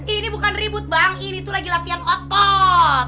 ini bukan ribut bang ini tuh lagi latihan otot